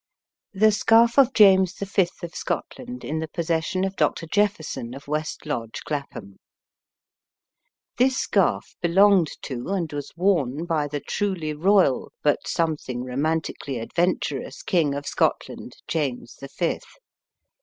THE SCARF OF JAMES THE FIFTH OF SCOTLAND, IN THE POSSESSION OF DR. JEFFERSON, OF WEST LODGE, CLAPHAM. This scarf belonged to, and was worn by the truly royal, but something romantically adventurous King of Scotland, James the Fifth.